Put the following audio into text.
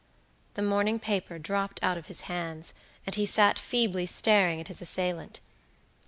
The morning paper dropped out of his hands, and he sat feebly staring at his assailant.